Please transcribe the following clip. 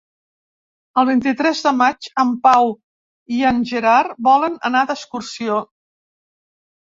El vint-i-tres de maig en Pau i en Gerard volen anar d'excursió.